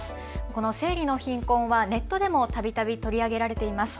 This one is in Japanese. この生理の貧困はネットでもたびたび取り上げられています。